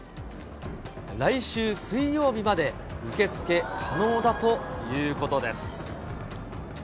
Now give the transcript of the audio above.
来週水曜日まで受け付け可能だということです。